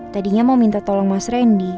tadinya mau minta tolong mas randy